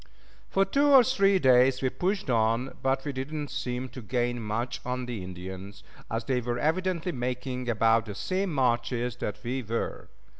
For two or three days we pushed on, but we did not seem to gain much on the Indians, as they were evidently making about the same marches that we were.